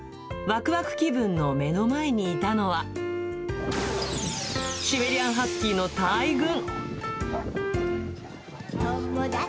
わくわく気分の目の前にいたのは、シベリアンハスキーの大群。